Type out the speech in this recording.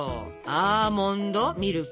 アーモンドミルク！